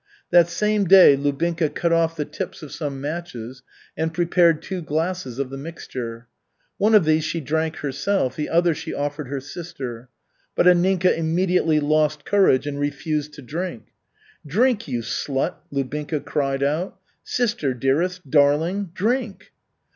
That same day Lubinka cut off the tips of some matches and prepared two glasses of the mixture. One of these she drank herself, the other she offered her sister. But Anninka immediately lost courage and refused to drink. "Drink, you slut," Lubinka cried out. "Sister, dearest, darling, drink!"